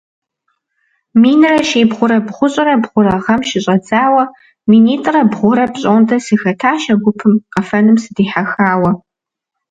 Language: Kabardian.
Минрэ щибгъурэ бгъущӀрэ бгъурэ гъэм щыщӀэдзауэ минитӀрэ бгъурэ пщӀондэ сыхэтащ а гупым, къэфэным сыдихьэхауэ.